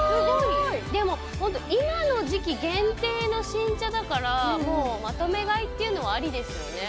でもホント今の時期限定の新茶だからもうまとめ買いっていうのはありですよね